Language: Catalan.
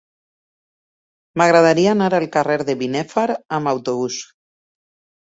M'agradaria anar al carrer de Binèfar amb autobús.